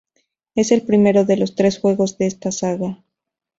Es el primero de los tres juegos de esta saga.